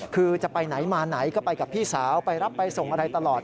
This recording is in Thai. คือจะไปไหนมาไหนก็ไปกับพี่สาวไปรับไปส่งอะไรตลอด